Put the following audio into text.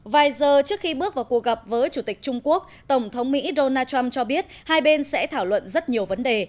vài giờ trước khi bước vào cuộc gặp với chủ tịch trung quốc tổng thống mỹ donald trump cho biết hai bên sẽ thảo luận rất nhiều vấn đề